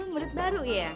mulit baru ya